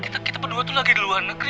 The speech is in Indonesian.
kita berdua tuh lagi di luar negeri